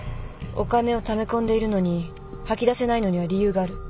お金をため込んでいるのに吐き出せないのには理由がある。